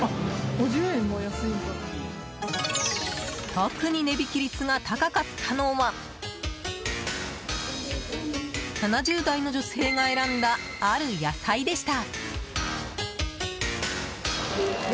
特に値引き率が高かったのは７０代の女性が選んだある野菜でした。